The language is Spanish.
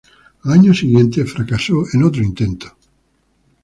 Al año siguiente fracasó en otro intento.